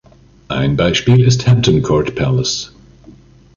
Ein Beispiel ist Hampton Court Palace.